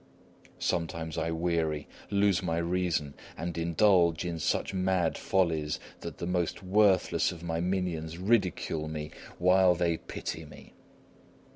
Sometimes I weary, lose my reason, and indulge in such mad follies that the most worthless of my minions ridicule me while they pity me.